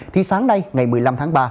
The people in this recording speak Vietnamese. thì sáng nay ngày một mươi năm tháng ba